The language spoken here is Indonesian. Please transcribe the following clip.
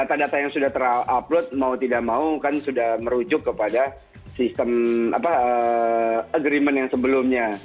data data yang sudah terupload mau tidak mau kan sudah merujuk kepada sistem agreement yang sebelumnya